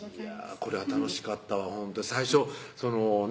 これは楽しかったわほんと最初そのね